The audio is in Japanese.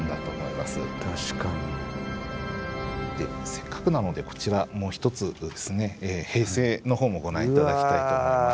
せっかくなのでこちらもう一つですね「平成」のほうもご覧頂きたいと思います。